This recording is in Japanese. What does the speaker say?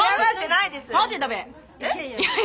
いやいや。